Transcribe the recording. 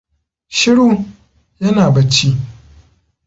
Shiru! Yana bacci.